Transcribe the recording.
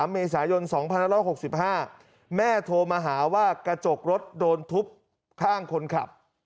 เมษายน๒๑๖๕แม่โทรมาหาว่ากระจกรถโดนทุบข้างคนขับ